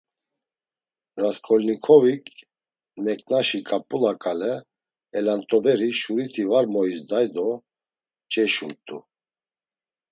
Rasǩolnikovik, neǩnaşi ǩap̌ula ǩale elant̆oberi, şuriti var moizday do mç̌eşumt̆u.